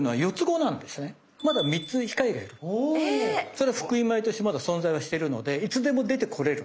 それは福井米としてまだ存在はしてるのでいつでも出てこれる。